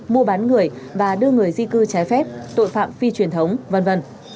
mua bán người và đưa người di cư trái phép tội phạm phi truyền thống v v